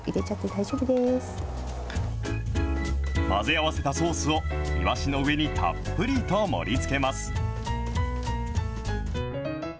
混ぜ合わせたソースを、いわしの上にたっぷりと盛りつけます。